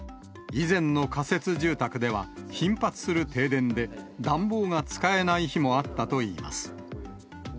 以前の仮設住宅では、頻発する停電で、暖房が使えない日もあったといいます。